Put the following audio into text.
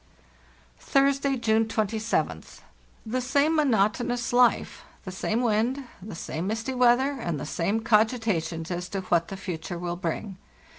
"Thursday, June 27th. The same monotonous life, the same wind, the same misty weather, and the same cogitations as to what the future will bring.